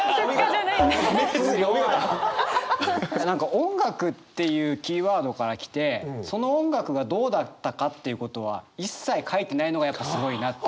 何か「音楽」っていうキーワードから来てその音楽がどうだったかっていうことは一切書いてないのがやっぱすごいな。